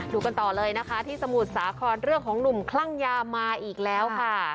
กันต่อเลยนะคะที่สมุทรสาครเรื่องของหนุ่มคลั่งยามาอีกแล้วค่ะ